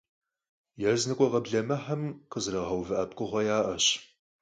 Языныкъуэ къэблэмэхэм къызэрагъэувыӀэ пкъыгъуэ яӀэщ.